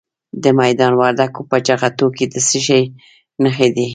د میدان وردګو په جغتو کې د څه شي نښې دي؟